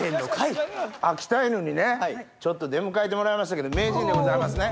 秋田犬にねちょっと出迎えてもらいましたけど名人でございますね